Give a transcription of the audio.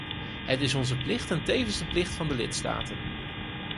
Het is onze plicht en tevens de plicht van de lidstaten.